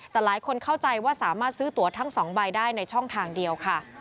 แต่หลายคนเข้าใจว่าสามารถซื้อตัวทั้ง๒ใบได้ในช่องทางเดียวค่ะ